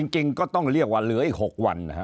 จริงก็ต้องเรียกว่าเหลืออีก๖วัน